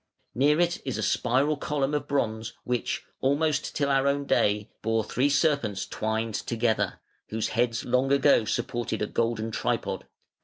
Near it is a spiral column of bronze which, almost till our own day, bore three serpents twined together, whose heads long ago supported a golden tripod.